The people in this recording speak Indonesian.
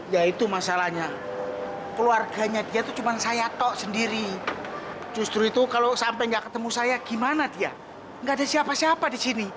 ya itu masalahnya keluarganya dia itu cuma saya kok sendiri justru itu kalau sampai nggak ketemu saya gimana dia nggak ada siapa siapa di sini